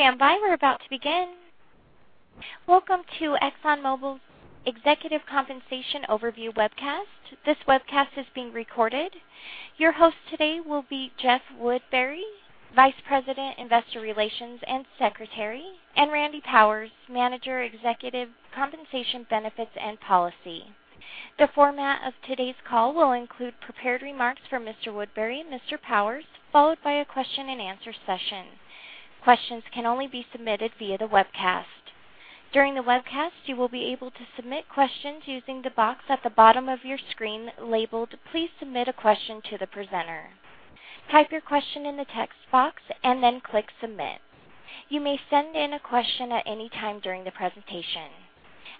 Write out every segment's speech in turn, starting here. Please stand by. We're about to begin. Welcome to ExxonMobil's Executive Compensation Overview webcast. This webcast is being recorded. Your host today will be Jeff Woodbury, Vice President, Investor Relations and Secretary, and Randy Powers, Manager, Executive Compensation Benefits and Policy. The format of today's call will include prepared remarks from Mr. Woodbury and Mr. Powers, followed by a question and answer session. Questions can only be submitted via the webcast. During the webcast, you will be able to submit questions using the box at the bottom of your screen labeled Please Submit a Question to the Presenter. Type your question in the text box and then click Submit. You may send in a question at any time during the presentation.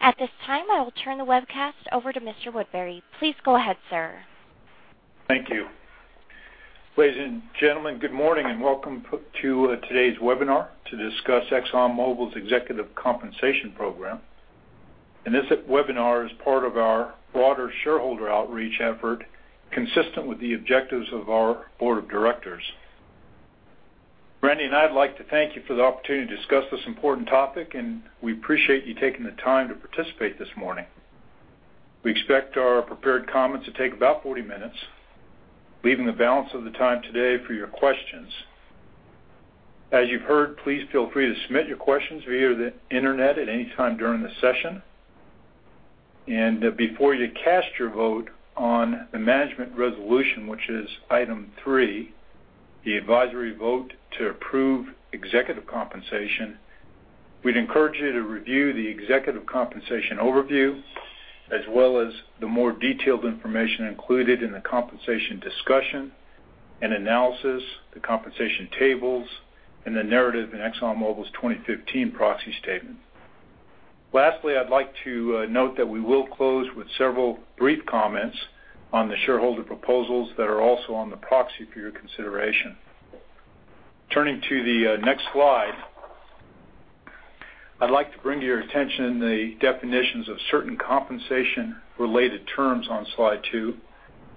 At this time, I will turn the webcast over to Mr. Woodbury. Please go ahead, sir. Thank you. Ladies and gentlemen, good morning and welcome to today's webinar to discuss ExxonMobil's Executive Compensation Program. This webinar is part of our broader shareholder outreach effort, consistent with the objectives of our board of directors. Randy and I'd like to thank you for the opportunity to discuss this important topic, and we appreciate you taking the time to participate this morning. We expect our prepared comments to take about 40 minutes, leaving the balance of the time today for your questions. As you've heard, please feel free to submit your questions via the internet at any time during the session. Before you cast your vote on the management resolution, which is item 3, the advisory vote to approve executive compensation, we'd encourage you to review the executive compensation overview as well as the more detailed information included in the Compensation Discussion and Analysis, the compensation tables, and the narrative in ExxonMobil's 2015 proxy statement. Lastly, I'd like to note that we will close with several brief comments on the shareholder proposals that are also on the proxy for your consideration. Turning to the next slide. I'd like to bring to your attention the definitions of certain compensation-related terms on slide two,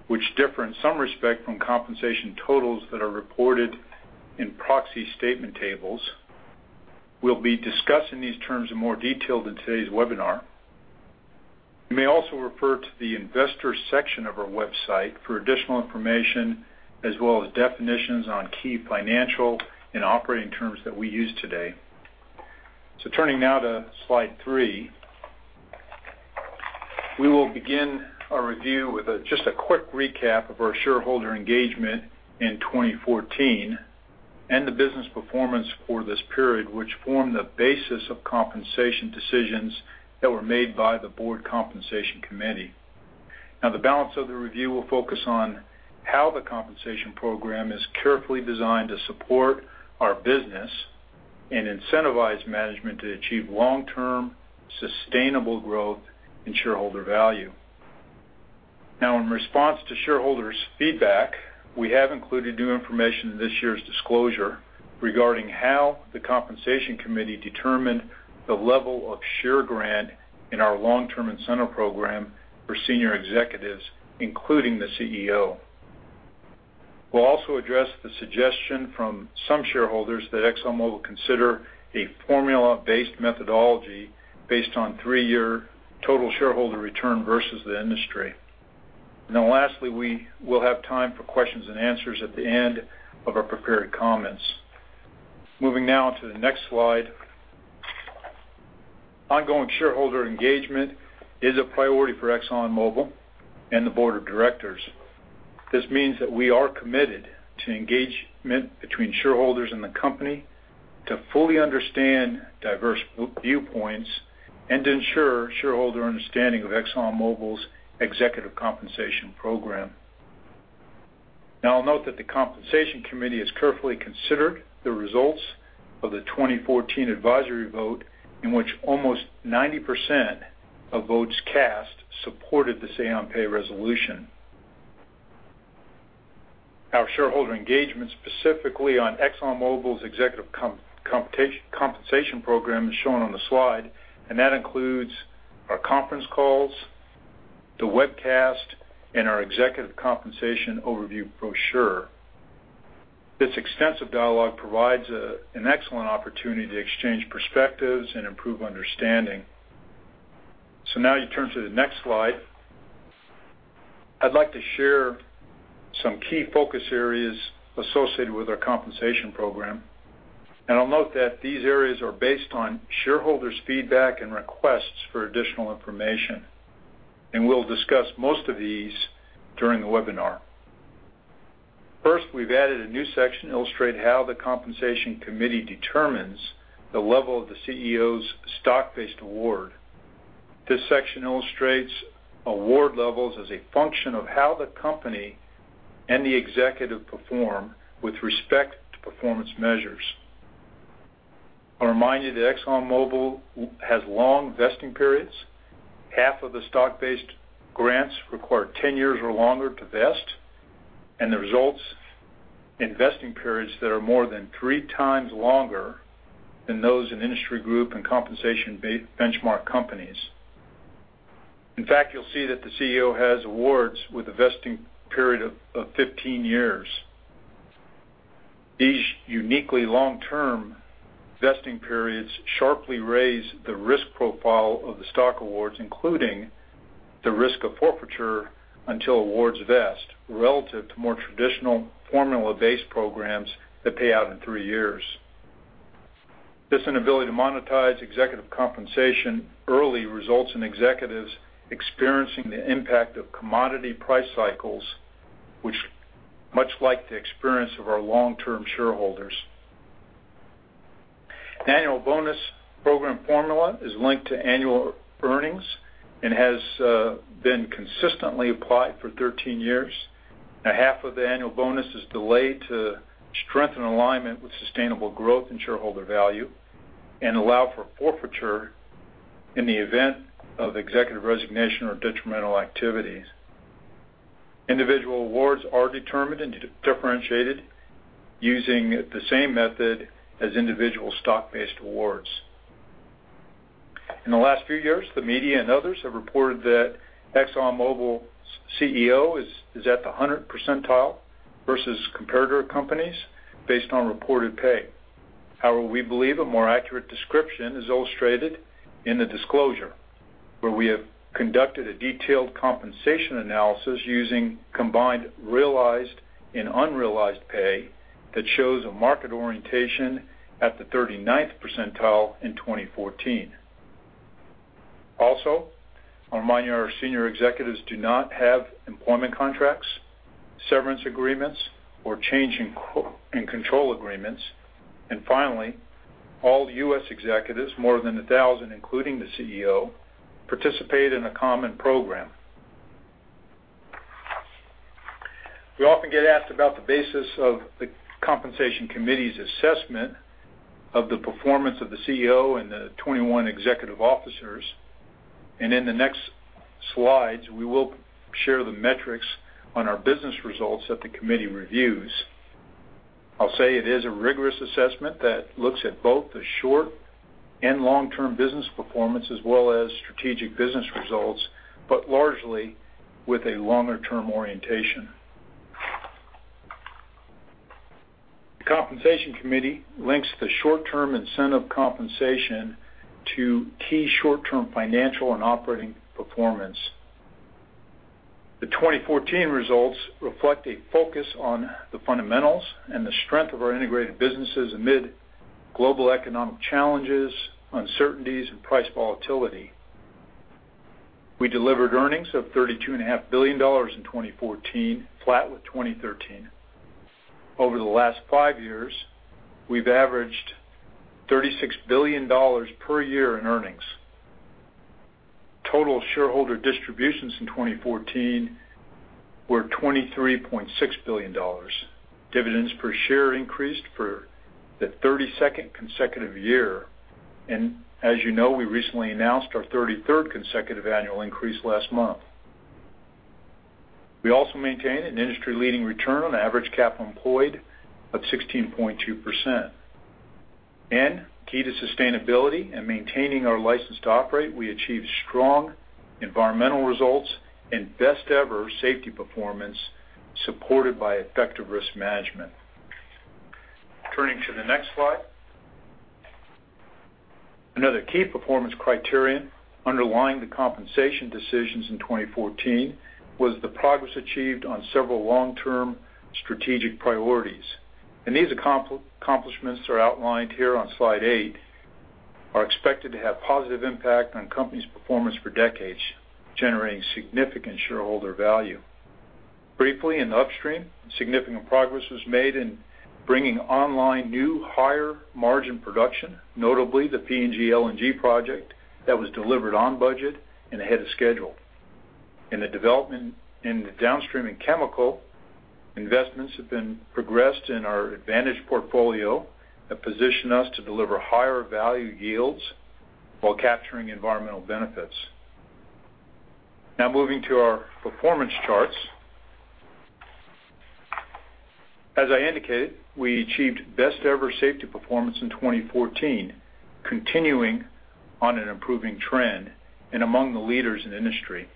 which differ in some respect from compensation totals that are reported in proxy statement tables. We'll be discussing these terms in more detail in today's webinar. You may also refer to the investor section of our website for additional information, as well as definitions on key financial and operating terms that we use today. Turning now to slide three. We will begin our review with just a quick recap of our shareholder engagement in 2014 and the business performance for this period, which form the basis of compensation decisions that were made by the Board Compensation Committee. The balance of the review will focus on how the compensation program is carefully designed to support our business and incentivize management to achieve long-term, sustainable growth in shareholder value. In response to shareholders' feedback, we have included new information in this year's disclosure regarding how the Compensation Committee determined the level of share grant in our long-term incentive program for senior executives, including the CEO. We'll also address the suggestion from some shareholders that ExxonMobil consider a formula-based methodology based on three-year total shareholder return versus the industry. Lastly, we will have time for questions and answers at the end of our prepared comments. Moving now to the next slide. Ongoing shareholder engagement is a priority for ExxonMobil and the board of directors. This means that we are committed to engagement between shareholders and the company to fully understand diverse viewpoints and ensure shareholder understanding of ExxonMobil's executive compensation program. I'll note that the Compensation Committee has carefully considered the results of the 2014 advisory vote, in which almost 90% of votes cast supported the say-on-pay resolution. Our shareholder engagement, specifically on ExxonMobil's executive compensation program, is shown on the slide, and that includes our conference calls, the webcast, and our executive compensation overview brochure. This extensive dialogue provides an excellent opportunity to exchange perspectives and improve understanding. Now you turn to the next slide. I'd like to share some key focus areas associated with our compensation program. I'll note that these areas are based on shareholders' feedback and requests for additional information. We'll discuss most of these during the webinar. First, we've added a new section to illustrate how the Compensation Committee determines the level of the CEO's stock-based award. This section illustrates award levels as a function of how the company and the executive perform with respect to performance measures. I'll remind you that ExxonMobil has long vesting periods. Half of the stock-based grants require 10 years or longer to vest, and the results in vesting periods that are more than three times longer than those in industry group and compensation benchmark companies. In fact, you'll see that the CEO has awards with a vesting period of 15 years. These uniquely long-term vesting periods sharply raise the risk profile of the stock awards, including the risk of forfeiture until awards vest, relative to more traditional formula-based programs that pay out in three years. This inability to monetize executive compensation early results in executives experiencing the impact of commodity price cycles, much like the experience of our long-term shareholders. Annual bonus program formula is linked to annual earnings and has been consistently applied for 13 years. Half of the annual bonus is delayed to strengthen alignment with sustainable growth in shareholder value and allow for forfeiture in the event of executive resignation or detrimental activities. Individual awards are determined and differentiated using the same method as individual stock-based awards. In the last few years, the media and others have reported that ExxonMobil's CEO is at the 100 percentile versus comparator companies based on reported pay. However, we believe a more accurate description is illustrated in the disclosure, where we have conducted a detailed compensation analysis using combined realized and unrealized pay that shows a market orientation at the 39th percentile in 2014. I'll remind you, our senior executives do not have employment contracts, severance agreements, or change in control agreements. Finally, all the U.S. executives, more than 1,000 including the CEO, participate in a common program. We often get asked about the basis of the Compensation Committee's assessment of the performance of the CEO and the 21 executive officers. In the next slides, we will share the metrics on our business results that the Committee reviews. I'll say it is a rigorous assessment that looks at both the short and long-term business performance as well as strategic business results, but largely with a longer-term orientation. The Compensation Committee links the short-term incentive compensation to key short-term financial and operating performance. The 2014 results reflect a focus on the fundamentals and the strength of our integrated businesses amid global economic challenges, uncertainties, and price volatility. We delivered earnings of $32.5 billion in 2014, flat with 2013. Over the last five years, we've averaged $36 billion per year in earnings. Total shareholder distributions in 2014 were $23.6 billion. Dividends per share increased for the 32nd consecutive year. As you know, we recently announced our 33rd consecutive annual increase last month. We also maintain an industry-leading return on average capital employed of 16.2%. Key to sustainability and maintaining our license to operate, we achieved strong environmental results and best ever safety performance, supported by effective risk management. Turning to the next slide. Another key performance criterion underlying the compensation decisions in 2014 was the progress achieved on several long-term strategic priorities. These accomplishments are outlined here on slide eight, are expected to have positive impact on company's performance for decades, generating significant shareholder value. Briefly, in upstream, significant progress was made in bringing online new higher margin production, notably the PNG LNG project that was delivered on budget and ahead of schedule. In the development in the downstream and chemical, investments have been progressed in our advantage portfolio that position us to deliver higher value yields while capturing environmental benefits. Moving to our performance charts. As I indicated, we achieved best ever safety performance in 2014, continuing on an improving trend and among the leaders in the industry.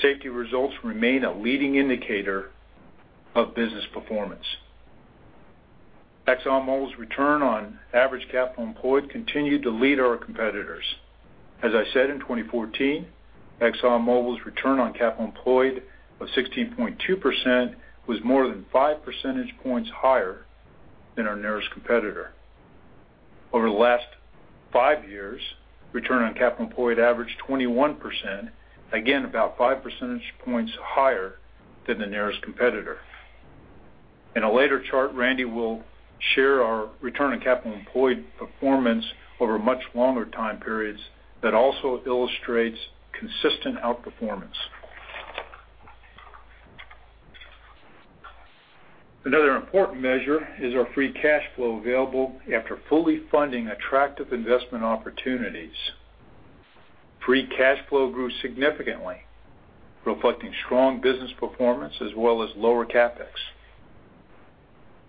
Safety results remain a leading indicator of business performance. ExxonMobil's return on average capital employed continued to lead our competitors. As I said in 2014, ExxonMobil's return on capital employed of 16.2% was more than five percentage points higher than our nearest competitor. Over the last five years, return on capital employed averaged 21%, again, about five percentage points higher than the nearest competitor. In a later chart, Randy will share our return on capital employed performance over much longer time periods that also illustrates consistent outperformance. Another important measure is our free cash flow available after fully funding attractive investment opportunities. Free cash flow grew significantly, reflecting strong business performance as well as lower CapEx.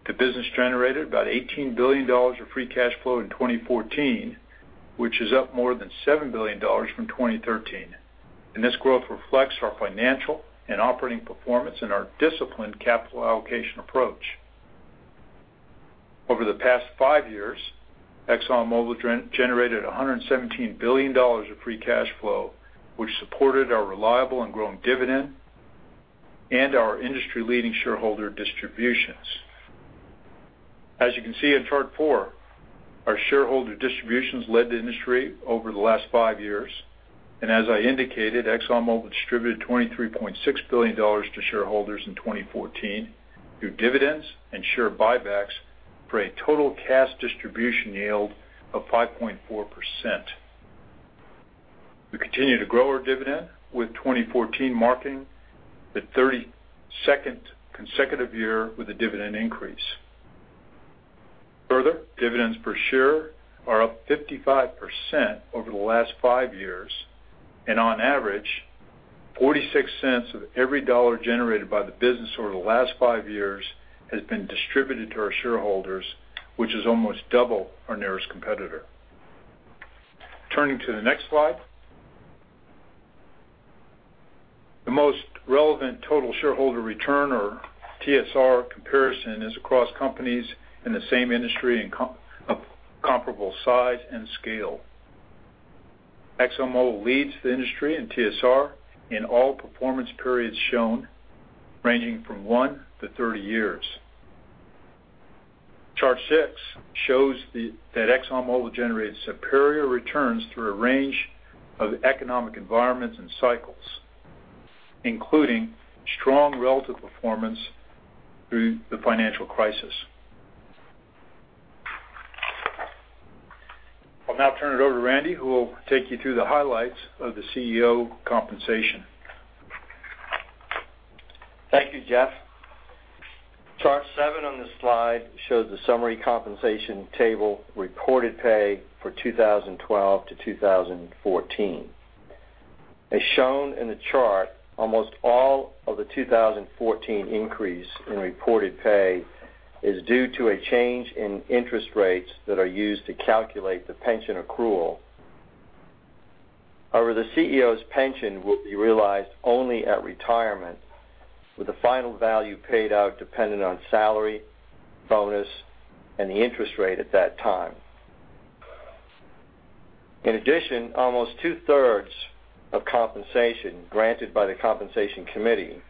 The business generated about $18 billion of free cash flow in 2014, which is up more than $7 billion from 2013. This growth reflects our financial and operating performance and our disciplined capital allocation approach. Over the past five years, ExxonMobil generated $117 billion of free cash flow, which supported our reliable and growing dividend and our industry-leading shareholder distributions. As you can see in Chart 4, our shareholder distributions led the industry over the last five years. As I indicated, ExxonMobil distributed $23.6 billion to shareholders in 2014 through dividends and share buybacks for a total cash distribution yield of 5.4%. We continue to grow our dividend with 2014 marking the 32nd consecutive year with a dividend increase. Dividends per share are up 55% over the last five years. On average, $0.46 of every dollar generated by the business over the last five years has been distributed to our shareholders, which is almost double our nearest competitor. Turning to the next slide. The most relevant total shareholder return or TSR comparison is across companies in the same industry of comparable size and scale. XOM leads the industry in TSR in all performance periods shown, ranging from one to 30 years. Chart six shows that ExxonMobil generates superior returns through a range of economic environments and cycles, including strong relative performance through the financial crisis. I'll now turn it over to Randy, who will take you through the highlights of the CEO compensation. Thank you, Jeff. Chart seven on this slide shows the Summary Compensation Table reported pay for 2012 to 2014. As shown in the chart, almost all of the 2014 increase in reported pay is due to a change in interest rates that are used to calculate the pension accrual. However, the CEO's pension will be realized only at retirement, with the final value paid out dependent on salary, bonus, and the interest rate at that time. In addition, almost two-thirds of compensation granted by the compensation committee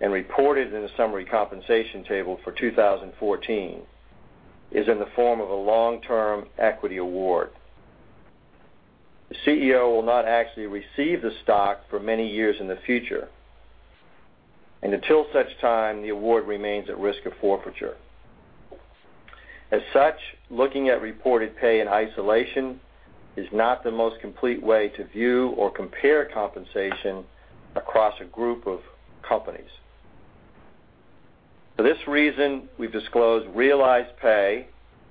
and reported in the Summary Compensation Table for 2014 is in the form of a long-term equity award. The CEO will not actually receive the stock for many years in the future, and until such time, the award remains at risk of forfeiture. Looking at reported pay in isolation is not the most complete way to view or compare compensation across a group of companies. For this reason, we've disclosed realized pay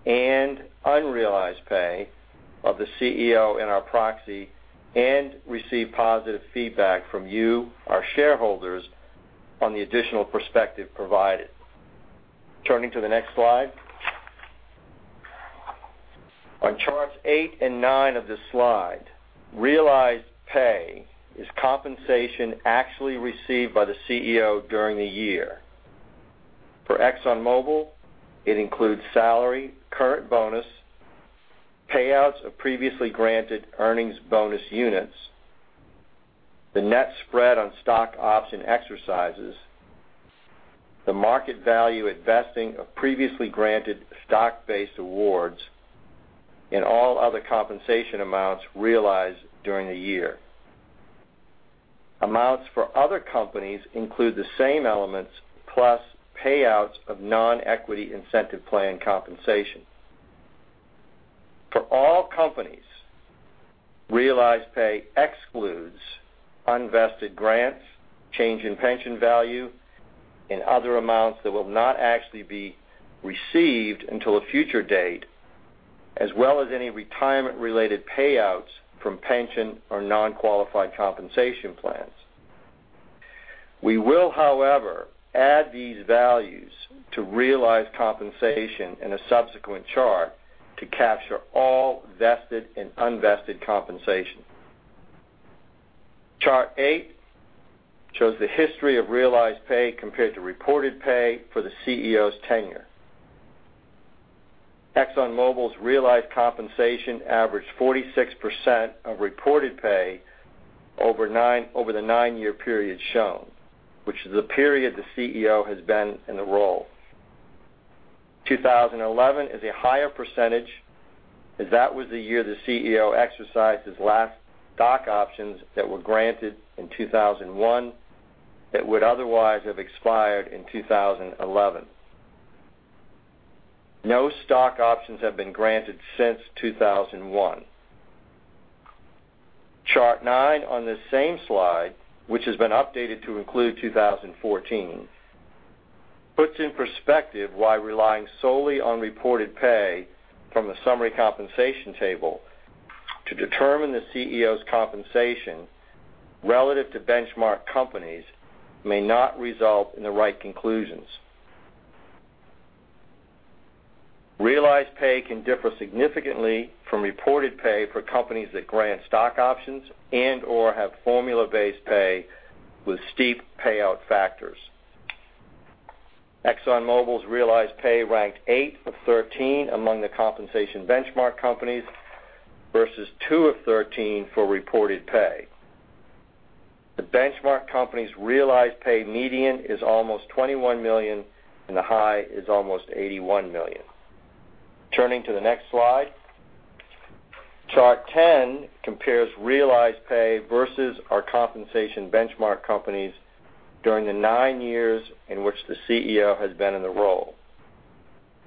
and unrealized pay of the CEO in our proxy and received positive feedback from you, our shareholders, on the additional perspective provided. Turning to the next slide. On Charts eight and nine of this slide, realized pay is compensation actually received by the CEO during the year. For ExxonMobil, it includes salary, current bonus, payouts of previously granted earnings bonus units, the net spread on stock option exercises, the market value at vesting of previously granted stock-based awards, and all other compensation amounts realized during the year. Amounts for other companies include the same elements, plus payouts of non-equity incentive plan compensation. For all companies, realized pay excludes unvested grants, change in pension value, and other amounts that will not actually be received until a future date, as well as any retirement-related payouts from pension or non-qualified compensation plans. We will, however, add these values to realized compensation in a subsequent chart to capture all vested and unvested compensation. Chart eight shows the history of realized pay compared to reported pay for the CEO's tenure. ExxonMobil's realized compensation averaged 46% of reported pay over the nine-year period shown, which is the period the CEO has been in the role. 2011 is a higher percentage, as that was the year the CEO exercised his last stock options that were granted in 2001 that would otherwise have expired in 2011. No stock options have been granted since 2001. Chart nine on this same slide, which has been updated to include 2014, puts in perspective why relying solely on reported pay from a Summary Compensation Table to determine the CEO's compensation relative to benchmark companies may not result in the right conclusions. Realized pay can differ significantly from reported pay for companies that grant stock options and/or have formula-based pay with steep payout factors. ExxonMobil's realized pay ranked eight of 13 among the compensation benchmark companies, versus two of 13 for reported pay. The benchmark company's realized pay median is almost $21 million, and the high is almost $81 million. Turning to the next slide. Chart 10 compares realized pay versus our compensation benchmark companies during the nine years in which the CEO has been in the role.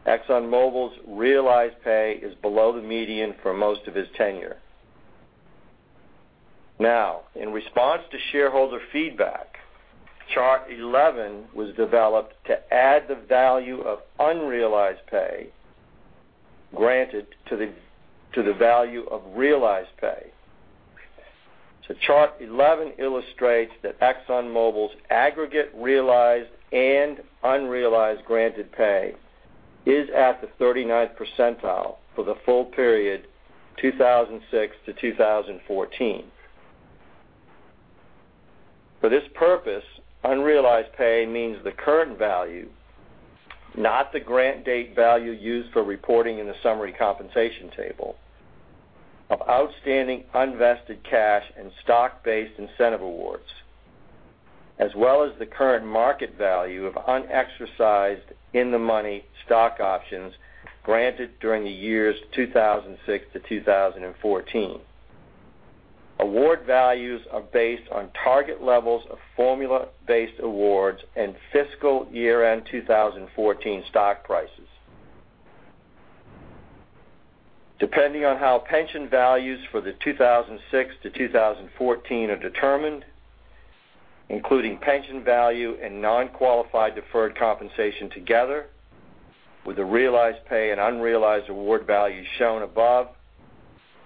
ExxonMobil's realized pay is below the median for most of his tenure. In response to shareholder feedback, Chart 11 was developed to add the value of unrealized pay granted to the value of realized pay. Chart 11 illustrates that ExxonMobil's aggregate realized and unrealized granted pay is at the 39th percentile for the full period 2006 to 2014. For this purpose, unrealized pay means the current value, not the grant date value used for reporting in the Summary Compensation Table of outstanding unvested cash and stock-based incentive awards, as well as the current market value of unexercised in-the-money stock options granted during the years 2006 to 2014. Award values are based on target levels of formula-based awards and fiscal year-end 2014 stock prices. Depending on how pension values for the 2006 to 2014 are determined, including pension value and non-qualified deferred compensation together with the realized pay and unrealized award value shown above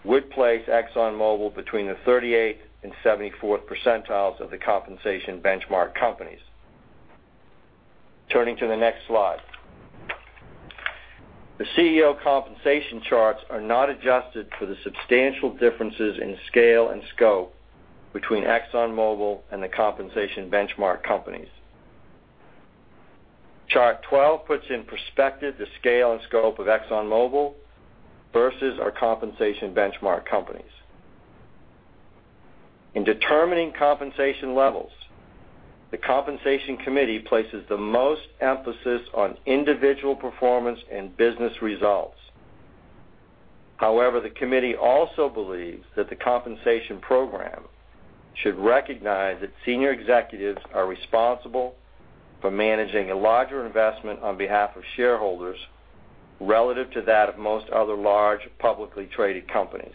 would place ExxonMobil between the 38th and 74th percentiles of the compensation benchmark companies. Turning to the next slide. The CEO compensation charts are not adjusted for the substantial differences in scale and scope between ExxonMobil and the compensation benchmark companies. Chart 12 puts in perspective the scale and scope of ExxonMobil versus our compensation benchmark companies. In determining compensation levels, the compensation committee places the most emphasis on individual performance and business results. However, the committee also believes that the compensation program should recognize that senior executives are responsible for managing a larger investment on behalf of shareholders relative to that of most other large publicly traded companies.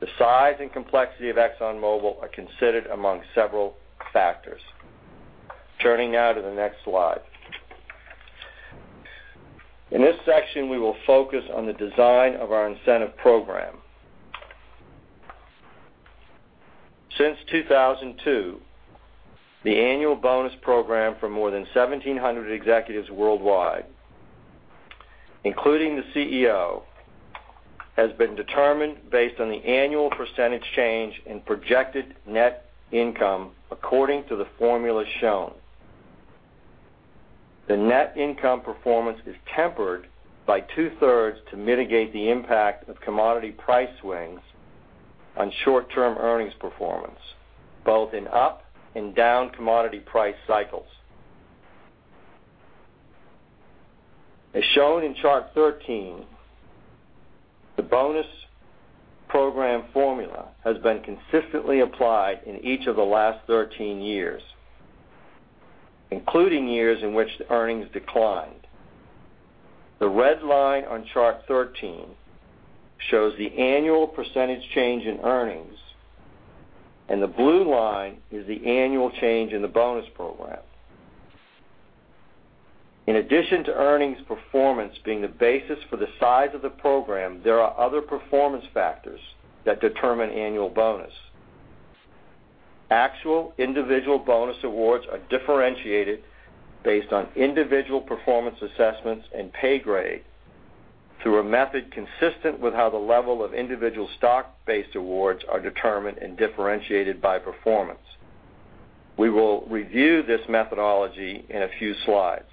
The size and complexity of ExxonMobil are considered among several factors. Turning to the next slide. In this section, we will focus on the design of our incentive program. Since 2002, the annual bonus program for more than 1,700 executives worldwide, including the CEO, has been determined based on the annual percentage change in projected net income according to the formula shown. The net income performance is tempered by two-thirds to mitigate the impact of commodity price swings on short-term earnings performance, both in up and down commodity price cycles. As shown in Chart 13, the bonus program formula has been consistently applied in each of the last 13 years, including years in which the earnings declined. The red line on Chart 13 shows the annual percentage change in earnings, and the blue line is the annual change in the bonus program. In addition to earnings performance being the basis for the size of the program, there are other performance factors that determine annual bonus. Actual individual bonus awards are differentiated based on individual performance assessments and pay grade through a method consistent with how the level of individual stock-based awards are determined and differentiated by performance. We will review this methodology in a few slides.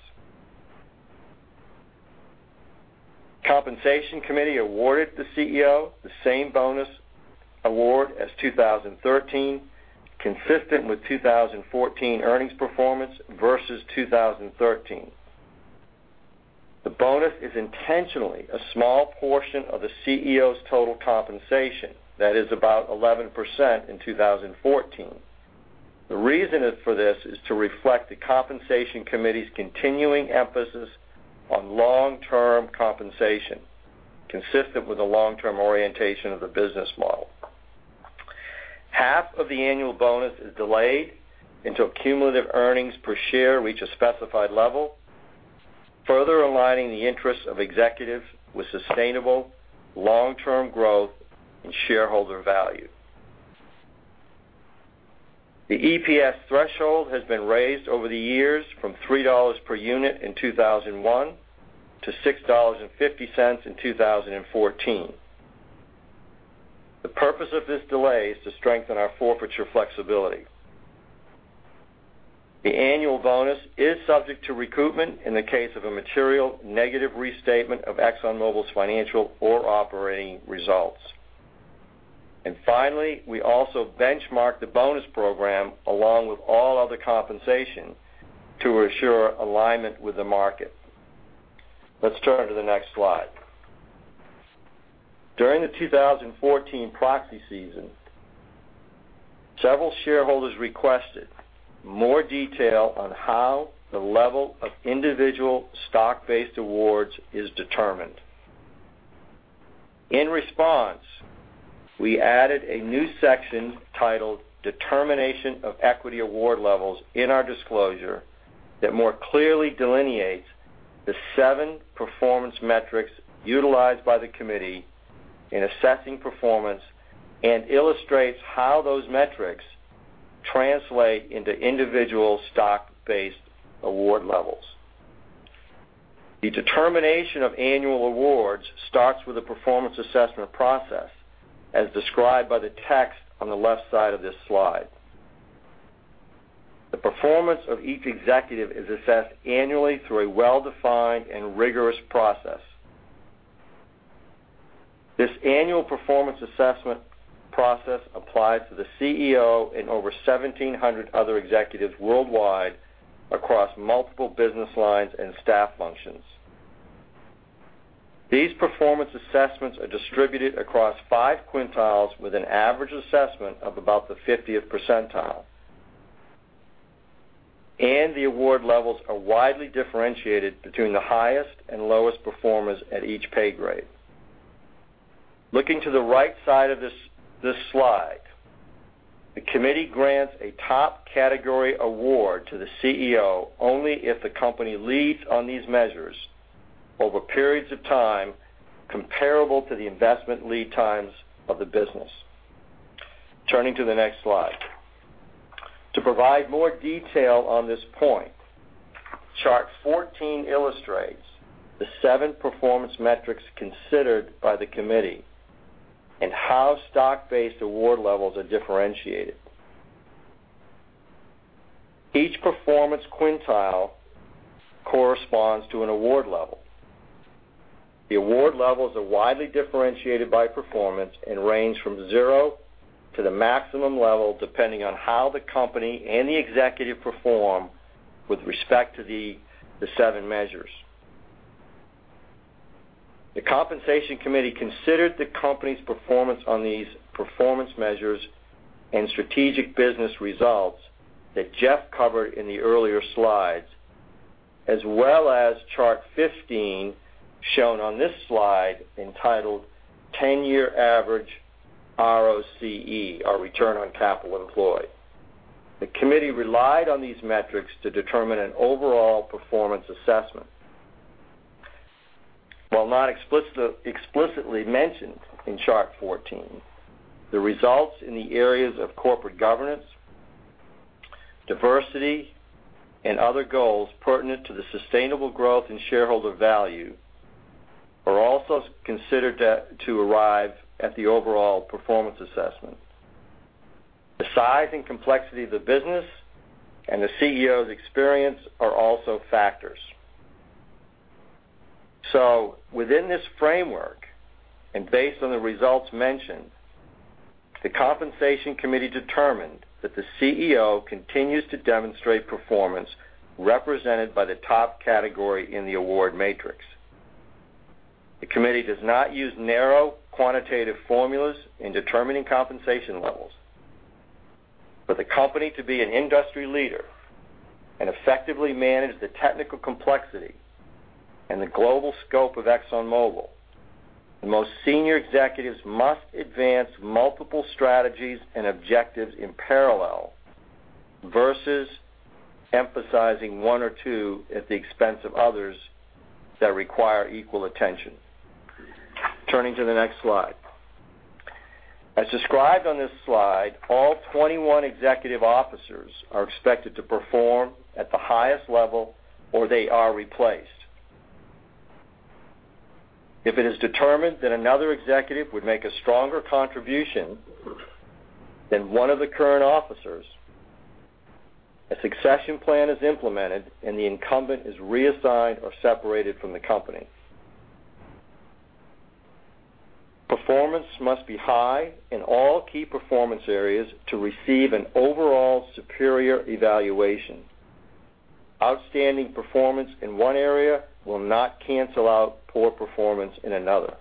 Compensation Committee awarded the CEO the same bonus award as 2013, consistent with 2014 earnings performance versus 2013. The bonus is intentionally a small portion of the CEO's total compensation. That is about 11% in 2014. The reason for this is to reflect the Compensation Committee's continuing emphasis on long-term compensation, consistent with the long-term orientation of the business model. of the annual bonus is delayed until cumulative earnings per share reach a specified level, further aligning the interests of executives with sustainable long-term growth and shareholder value. The EPS threshold has been raised over the years from $3 per unit in 2001 to $6.50 in 2014. The purpose of this delay is to strengthen our forfeiture flexibility. The annual bonus is subject to recoupment in the case of a material negative restatement of ExxonMobil's financial or operating results. Finally, we also benchmark the bonus program along with all other compensation to assure alignment with the market. Let's turn to the next slide. During the 2014 proxy season, several shareholders requested more detail on how the level of individual stock-based awards is determined. In response, we added a new section titled Determination of Equity Award Levels in our disclosure that more clearly delineates the 7 performance metrics utilized by the Committee in assessing performance, and illustrates how those metrics translate into individual stock-based award levels. The determination of annual awards starts with a performance assessment process, as described by the text on the left side of this slide. The performance of each executive is assessed annually through a well-defined and rigorous process. This annual performance assessment process applies to the CEO and over 1,700 other executives worldwide across multiple business lines and staff functions. These performance assessments are distributed across 5 quintiles with an average assessment of about the 50th percentile. The award levels are widely differentiated between the highest and lowest performers at each pay grade. Looking to the right side of this slide, the Committee grants a top category award to the CEO only if the company leads on these measures over periods of time comparable to the investment lead times of the business. Turning to the next slide. To provide more detail on this point, chart 14 illustrates the 7 performance metrics considered by the Committee and how stock-based award levels are differentiated. Each performance quintile corresponds to an award level. The award levels are widely differentiated by performance and range from 0 to the maximum level, depending on how the company and the executive perform with respect to the 7 measures. The Compensation Committee considered the company's performance on these performance measures and strategic business results that Jeff covered in the earlier slides, as well as chart 15 shown on this slide entitled 10-Year Average ROCE, or return on capital employed. The committee relied on these metrics to determine an overall performance assessment. While not explicitly mentioned in chart 14, the results in the areas of corporate governance, diversity, and other goals pertinent to the sustainable growth in shareholder value are also considered to arrive at the overall performance assessment. The size and complexity of the business and the CEO's experience are also factors. Within this framework, and based on the results mentioned, the Compensation Committee determined that the CEO continues to demonstrate performance represented by the top category in the award matrix. The committee does not use narrow quantitative formulas in determining compensation levels. For the company to be an industry leader and effectively manage the technical complexity and the global scope of ExxonMobil, the most senior executives must advance multiple strategies and objectives in parallel versus emphasizing one or two at the expense of others that require equal attention. Turning to the next slide. As described on this slide, all 21 executive officers are expected to perform at the highest level, or they are replaced. If it is determined that another executive would make a stronger contribution than one of the current officers, a succession plan is implemented, and the incumbent is reassigned or separated from the company. Performance must be high in all key performance areas to receive an overall superior evaluation. Outstanding performance in one area will not cancel out poor performance in another.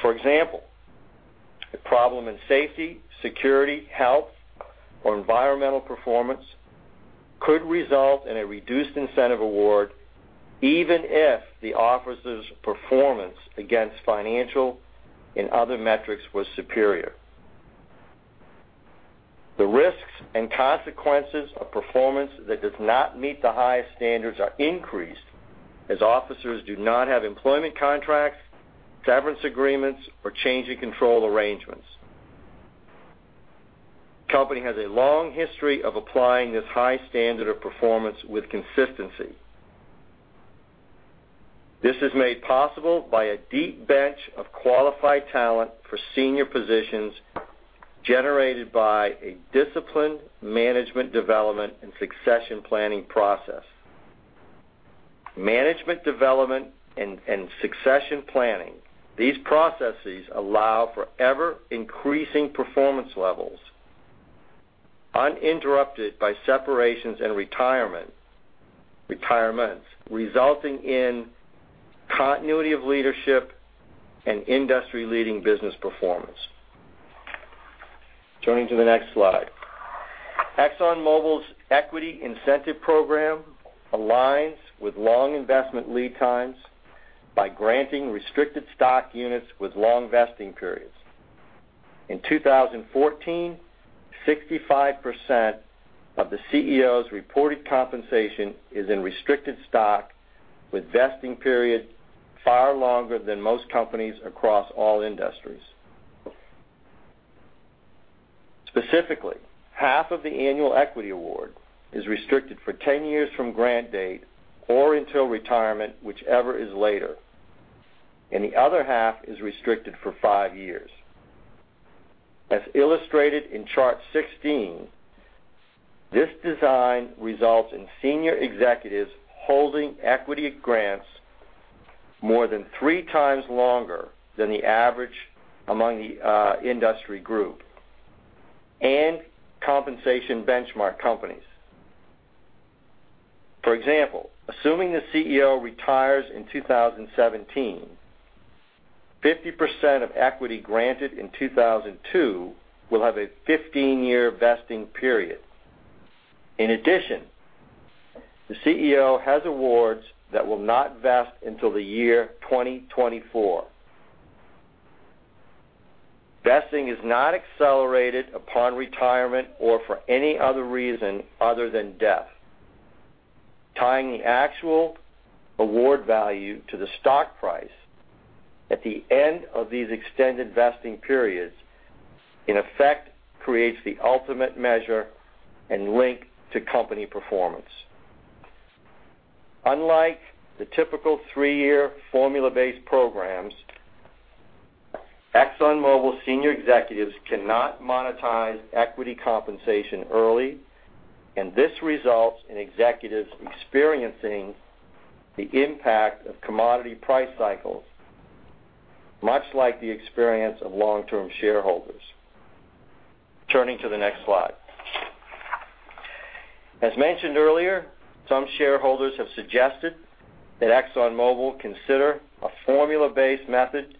For example, a problem in safety, security, health, or environmental performance could result in a reduced incentive award even if the officer's performance against financial and other metrics was superior. The risks and consequences of performance that does not meet the highest standards are increased as officers do not have employment contracts, severance agreements, or change in control arrangements. The company has a long history of applying this high standard of performance with consistency. This is made possible by a deep bench of qualified talent for senior positions generated by a disciplined management development and succession planning process. Management development and succession planning. These processes allow for ever-increasing performance levels uninterrupted by separations and retirements, resulting in continuity of leadership and industry-leading business performance. Turning to the next slide. ExxonMobil's equity incentive program aligns with long investment lead times by granting restricted stock units with long vesting periods. In 2014, 65% of the CEO's reported compensation is in restricted stock with vesting period far longer than most companies across all industries. Specifically, half of the annual equity award is restricted for 10 years from grant date or until retirement, whichever is later, and the other half is restricted for five years. As illustrated in chart 16, this design results in senior executives holding equity grants more than three times longer than the average among the industry group and compensation benchmark companies. For example, assuming the CEO retires in 2017, 50% of equity granted in 2002 will have a 15-year vesting period. In addition, the CEO has awards that will not vest until the year 2024. Vesting is not accelerated upon retirement or for any other reason other than death. Tying the actual award value to the stock price at the end of these extended vesting periods, in effect, creates the ultimate measure and link to company performance. Unlike the typical three-year formula-based programs, ExxonMobil senior executives cannot monetize equity compensation early, and this results in executives experiencing the impact of commodity price cycles, much like the experience of long-term shareholders. Turning to the next slide. As mentioned earlier, some shareholders have suggested that ExxonMobil consider a formula-based method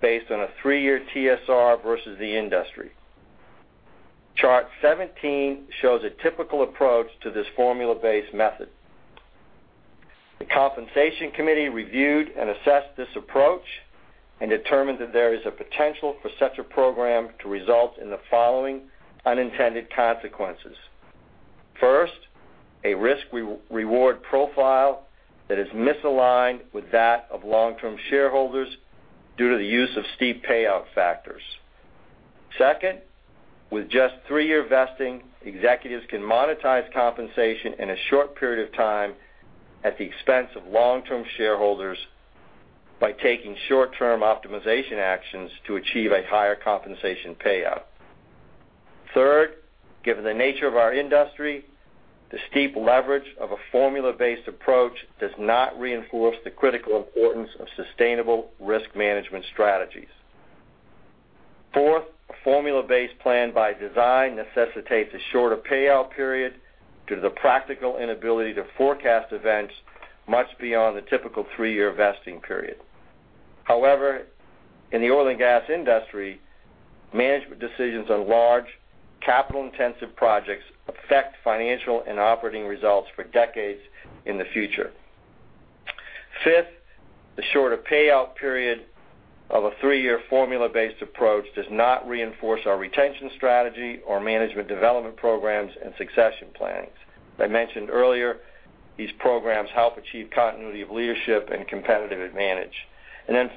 based on a three-year TSR versus the industry. Chart 17 shows a typical approach to this formula-based method. The Compensation Committee reviewed and assessed this approach and determined that there is a potential for such a program to result in the following unintended consequences. First, a risk reward profile that is misaligned with that of long-term shareholders due to the use of steep payout factors. Second, with just three-year vesting, executives can monetize compensation in a short period of time at the expense of long-term shareholders by taking short-term optimization actions to achieve a higher compensation payout. Third, given the nature of our industry, the steep leverage of a formula-based approach does not reinforce the critical importance of sustainable risk management strategies. Fourth, a formula-based plan by design necessitates a shorter payout period due to the practical inability to forecast events much beyond the typical three-year vesting period. However, in the oil and gas industry, management decisions on large, capital-intensive projects affect financial and operating results for decades in the future. Fifth, the shorter payout period of a three-year formula-based approach does not reinforce our retention strategy or management development programs and succession planning. As I mentioned earlier, these programs help achieve continuity of leadership and competitive advantage.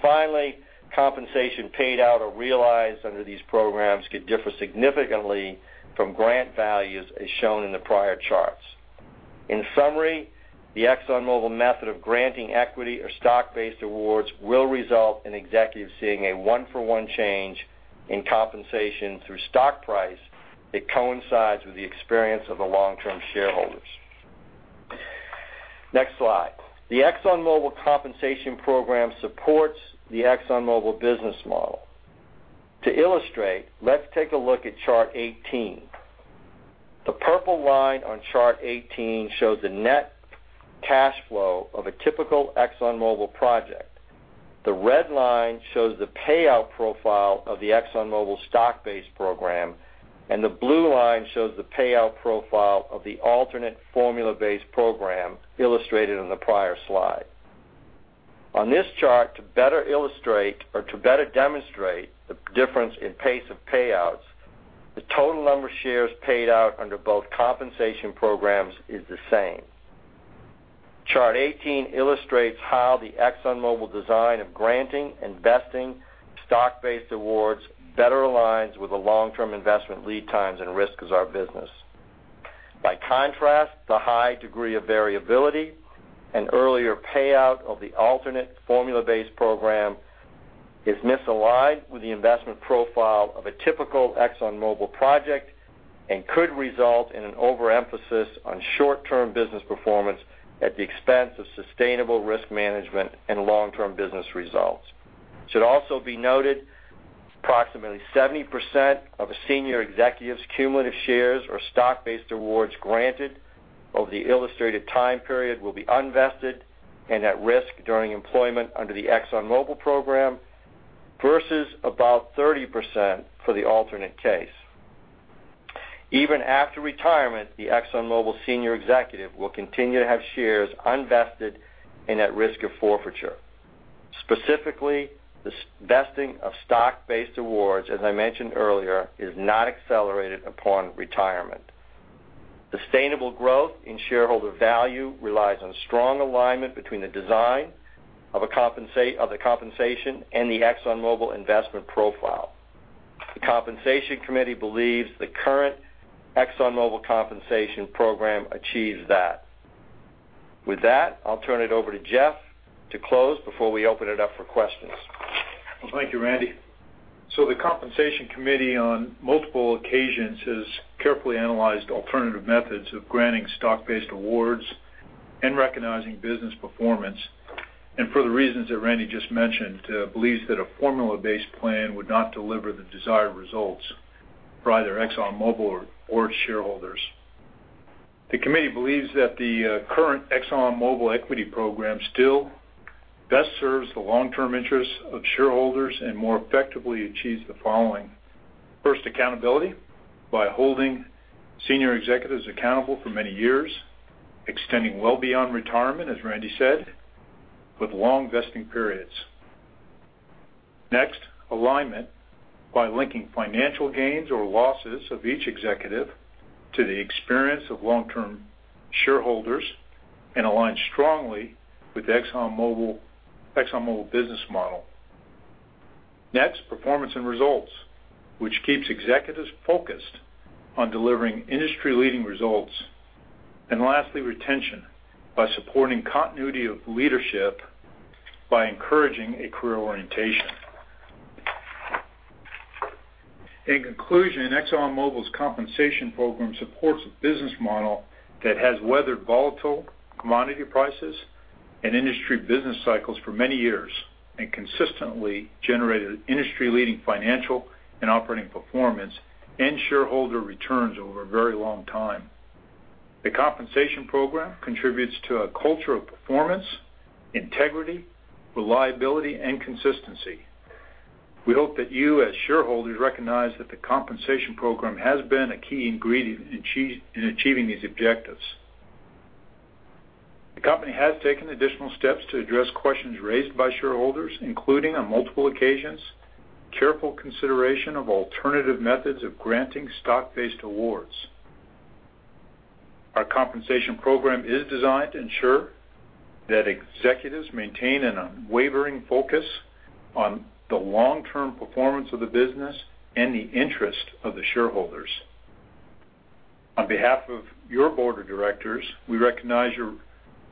Finally, compensation paid out or realized under these programs could differ significantly from grant values as shown in the prior charts. In summary, the ExxonMobil method of granting equity or stock-based awards will result in executives seeing a one-for-one change in compensation through stock price that coincides with the experience of the long-term shareholders. Next slide. The ExxonMobil compensation program supports the ExxonMobil business model. To illustrate, let's take a look at chart 18. The purple line on chart 18 shows the net cash flow of a typical ExxonMobil project. The red line shows the payout profile of the ExxonMobil stock-based program, and the blue line shows the payout profile of the alternate formula-based program illustrated in the prior slide. On this chart, to better demonstrate the difference in pace of payouts, the total number of shares paid out under both compensation programs is the same. Chart 18 illustrates how the ExxonMobil design of granting and vesting stock-based awards better aligns with the long-term investment lead times and risk of our business. By contrast, the high degree of variability and earlier payout of the alternate formula-based program is misaligned with the investment profile of a typical ExxonMobil project and could result in an overemphasis on short-term business performance at the expense of sustainable risk management and long-term business results. It should also be noted approximately 70% of a senior executive's cumulative shares or stock-based awards granted over the illustrated time period will be unvested and at risk during employment under the ExxonMobil program versus about 30% for the alternate case. Even after retirement, the ExxonMobil senior executive will continue to have shares unvested and at risk of forfeiture. Specifically, the vesting of stock-based awards, as I mentioned earlier, is not accelerated upon retirement. Sustainable growth in shareholder value relies on strong alignment between the design of the compensation and the ExxonMobil investment profile. The Compensation Committee believes the current ExxonMobil compensation program achieves that. With that, I'll turn it over to Jeff to close before we open it up for questions. Well, thank you, Randy. The Compensation Committee, on multiple occasions, has carefully analyzed alternative methods of granting stock-based awards and recognizing business performance. For the reasons that Randy just mentioned, believes that a formula-based plan would not deliver the desired results for either ExxonMobil or its shareholders. The committee believes that the current ExxonMobil equity program still best serves the long-term interests of shareholders and more effectively achieves the following. First, accountability by holding senior executives accountable for many years, extending well beyond retirement, as Randy said, with long vesting periods. Next, alignment by linking financial gains or losses of each executive to the experience of long-term shareholders and aligns strongly with ExxonMobil business model. Next, performance and results, which keeps executives focused on delivering industry-leading results. Lastly, retention by supporting continuity of leadership by encouraging a career orientation. In conclusion, ExxonMobil's compensation program supports a business model that has weathered volatile commodity prices and industry business cycles for many years and consistently generated industry-leading financial and operating performance and shareholder returns over a very long time. The compensation program contributes to a culture of performance, integrity, reliability, and consistency. We hope that you, as shareholders, recognize that the compensation program has been a key ingredient in achieving these objectives. The company has taken additional steps to address questions raised by shareholders, including, on multiple occasions, careful consideration of alternative methods of granting stock-based awards. Our compensation program is designed to ensure that executives maintain an unwavering focus on the long-term performance of the business and the interest of the shareholders. On behalf of your board of directors, we recognize your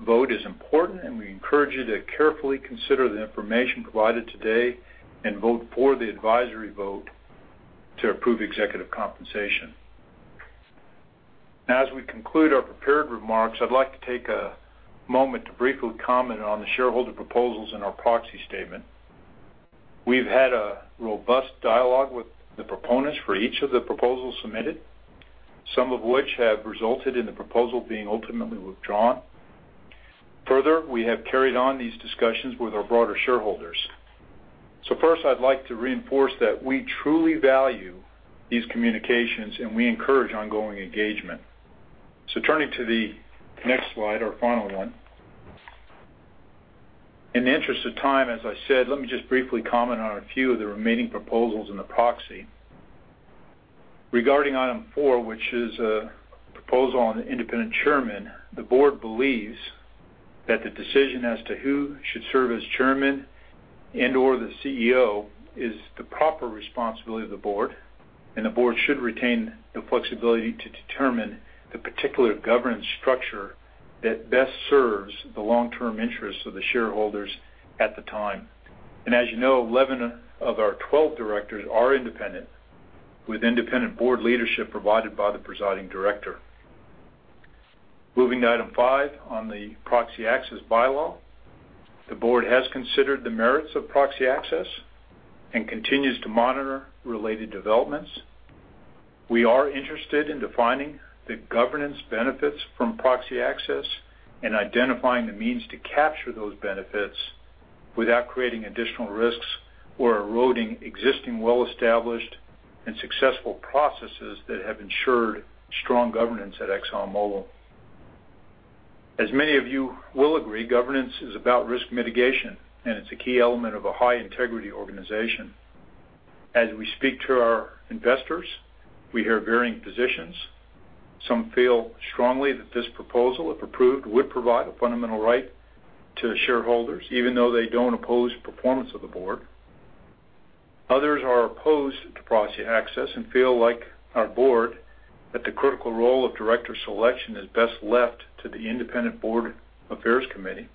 vote is important, and we encourage you to carefully consider the information provided today and vote for the advisory vote to approve executive compensation. Now as we conclude our prepared remarks, I'd like to take a moment to briefly comment on the shareholder proposals in our proxy statement. We've had a robust dialogue with the proponents for each of the proposals submitted, some of which have resulted in the proposal being ultimately withdrawn. Further, we have carried on these discussions with our broader shareholders. First, I'd like to reinforce that we truly value these communications, and we encourage ongoing engagement. Turning to the next slide, our final one. In the interest of time, as I said, let me just briefly comment on a few of the remaining proposals in the proxy. Regarding item four, which is a proposal on an independent chairman, the board believes that the decision as to who should serve as chairman and/or the CEO is the proper responsibility of the board, and the board should retain the flexibility to determine the particular governance structure that best serves the long-term interests of the shareholders at the time. As you know, 11 of our 12 directors are independent, with independent board leadership provided by the presiding director. Moving to item five on the proxy access bylaw. The board has considered the merits of proxy access and continues to monitor related developments. We are interested in defining the governance benefits from proxy access and identifying the means to capture those benefits without creating additional risks or eroding existing well-established and successful processes that have ensured strong governance at ExxonMobil. As many of you will agree, governance is about risk mitigation, and it's a key element of a high-integrity organization. As we speak to our investors, we hear varying positions. Some feel strongly that this proposal, if approved, would provide a fundamental right to shareholders, even though they don't oppose performance of the board. Others are opposed to proxy access and feel, like our board, that the critical role of director selection is best left to the independent Board Affairs Committee.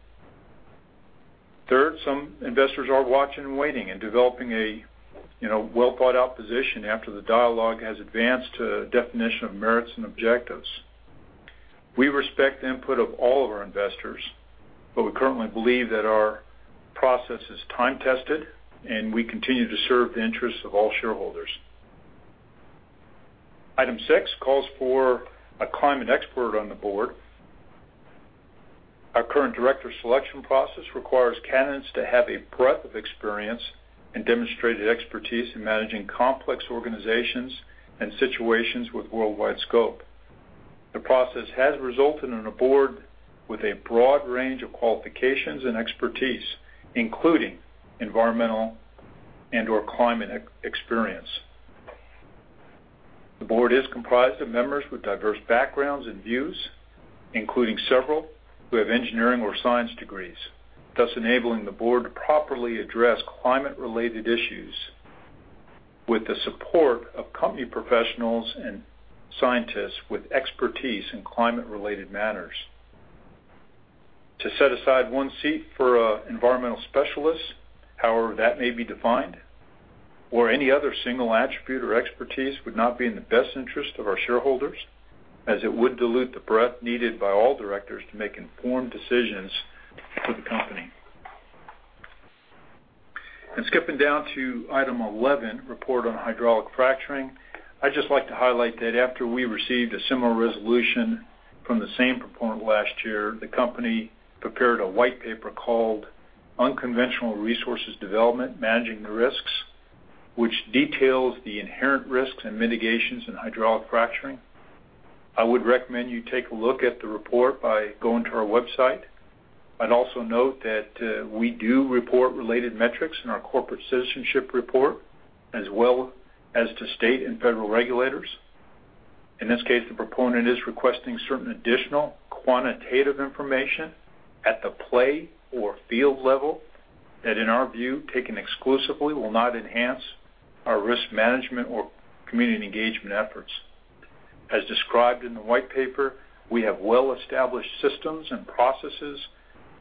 Third, some investors are watching and waiting and developing a well-thought-out position after the dialogue has advanced a definition of merits and objectives. We respect the input of all of our investors, but we currently believe that our process is time-tested, and we continue to serve the interests of all shareholders. Item six calls for a climate expert on the board. Our current director selection process requires candidates to have a breadth of experience and demonstrated expertise in managing complex organizations and situations with worldwide scope. The process has resulted in a board with a broad range of qualifications and expertise, including environmental and/or climate experience. The board is comprised of members with diverse backgrounds and views, including several who have engineering or science degrees, thus enabling the board to properly address climate-related issues with the support of company professionals and scientists with expertise in climate-related matters. To set aside one seat for environmental specialists, however that may be defined, or any other single attribute or expertise would not be in the best interest of our shareholders, as it would dilute the breadth needed by all directors to make informed decisions for the company. Skipping down to item 11, report on hydraulic fracturing, I'd just like to highlight that after we received a similar resolution from the same proponent last year, the company prepared a white paper called "Unconventional Resources Development: Managing the Risks," which details the inherent risks and mitigations in hydraulic fracturing. I would recommend you take a look at the report by going to our website. I'd also note that we do report related metrics in our Corporate Citizenship Report, as well as to state and federal regulators. In this case, the proponent is requesting certain additional quantitative information at the play or field level that, in our view, taken exclusively, will not enhance our risk management or community engagement efforts. As described in the white paper, we have well-established systems and processes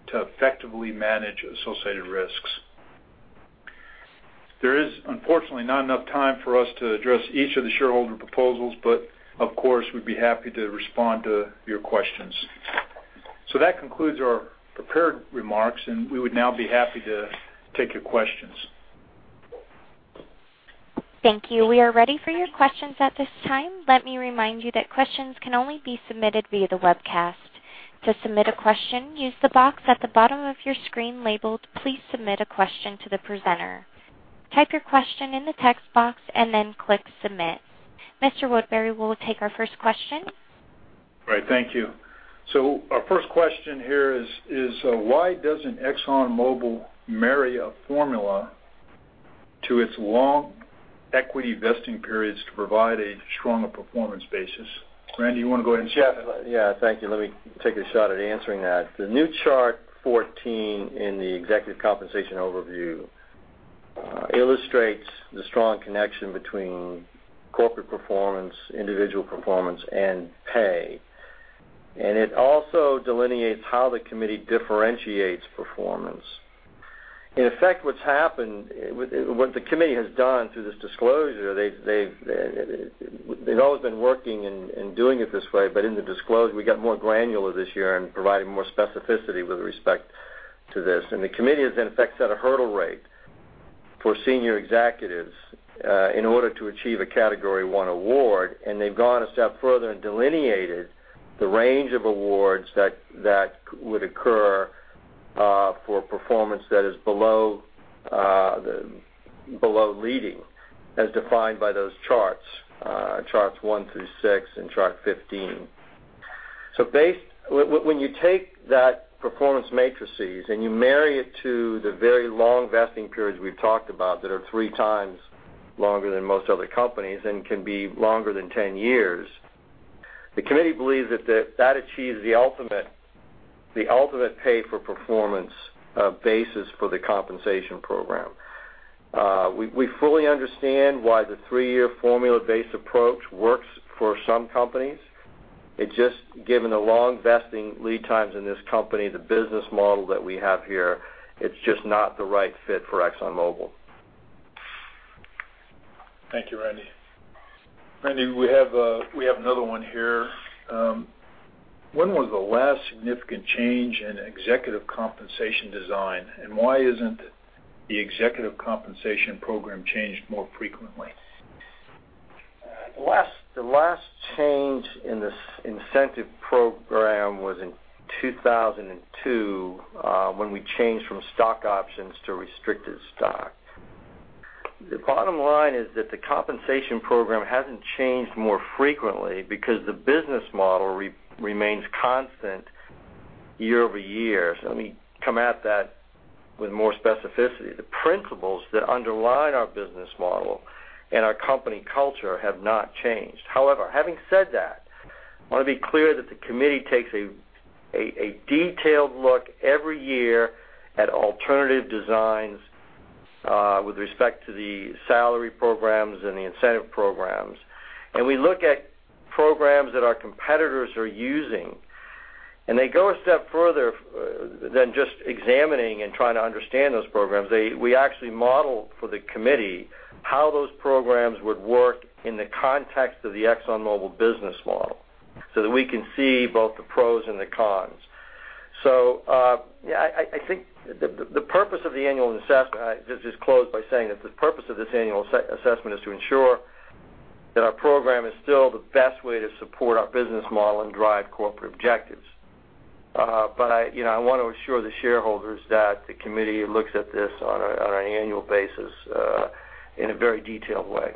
to effectively manage associated risks. There is, unfortunately, not enough time for us to address each of the shareholder proposals, but of course, we'd be happy to respond to your questions. That concludes our prepared remarks, and we would now be happy to take your questions. Thank you. We are ready for your questions at this time. Let me remind you that questions can only be submitted via the webcast. To submit a question, use the box at the bottom of your screen labeled Please Submit a Question to the Presenter. Type your question in the text box and then click Submit. Mr. Woodbury will take our first question. Right. Thank you. Our first question here is why doesn't ExxonMobil marry a formula to its long equity vesting periods to provide a stronger performance basis? Randy, you want to go ahead and take that? Jeff, yeah, thank you. Let me take a shot at answering that. The new chart 14 in the executive compensation overview illustrates the strong connection between corporate performance, individual performance, and pay. It also delineates how the committee differentiates performance. In effect, what's happened, what the committee has done through this disclosure, they've always been working and doing it this way, but in the disclosure, we got more granular this year and providing more specificity with respect to this. The committee has, in effect, set a hurdle rate for senior executives in order to achieve a category 1 award, and they've gone a step further and delineated the range of awards that would occur for performance that is below leading as defined by those charts one through six and chart 15. When you take that performance matrices and you marry it to the very long vesting periods we've talked about that are three times longer than most other companies and can be longer than 10 years, the committee believes that that achieves the ultimate pay-for-performance basis for the compensation program. We fully understand why the three-year formula-based approach works for some companies. Given the long vesting lead times in this company, the business model that we have here, it's just not the right fit for ExxonMobil. Thank you, Randy. Randy, we have another one here. When was the last significant change in executive compensation design? Why isn't the executive compensation program changed more frequently? The last change in this incentive program was in 2002 when we changed from stock options to restricted stock. The bottom line is that the compensation program hasn't changed more frequently because the business model remains constant year-over-year. Let me come at that with more specificity. The principles that underlie our business model and our company culture have not changed. However, having said that, I want to be clear that the committee takes a detailed look every year at alternative designs with respect to the salary programs and the incentive programs. We look at programs that our competitors are using, and they go a step further than just examining and trying to understand those programs. We actually model for the committee how those programs would work in the context of the ExxonMobil business model so that we can see both the pros and the cons. I'll just close by saying that the purpose of this annual assessment is to ensure that our program is still the best way to support our business model and drive corporate objectives. I want to assure the shareholders that the committee looks at this on an annual basis in a very detailed way.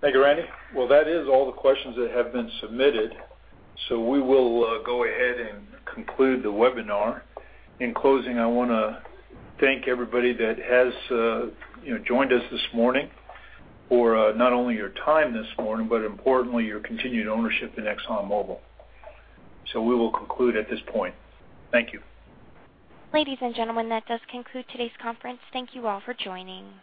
Thank you, Randy. Well, that is all the questions that have been submitted. We will go ahead and conclude the webinar. In closing, I want to thank everybody that has joined us this morning for not only your time this morning, but importantly, your continued ownership in ExxonMobil. We will conclude at this point. Thank you. Ladies and gentlemen, that does conclude today's conference. Thank you all for joining.